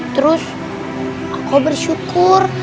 terus aku bersyukur